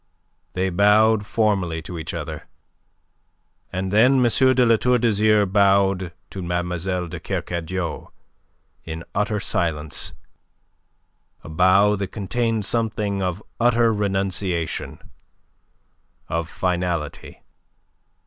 They bowed formally to each other. And then M. de La Tour d'Azyr bowed to Mlle. de Kercadiou in utter silence, a bow that contained something of utter renunciation, of finality.